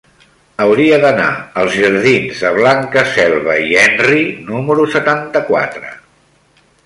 Hauria d'anar als jardins de Blanca Selva i Henry número setanta-quatre.